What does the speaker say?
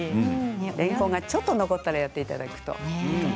れんこんがちょっと残ったらやっていただくと。